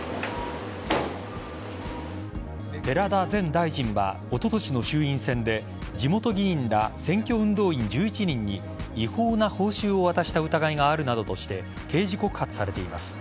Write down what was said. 寺田前大臣はおととしの衆院選で地元議員ら選挙運動員１１人に違法な報酬を渡した疑いがあるなどとして刑事告発されています。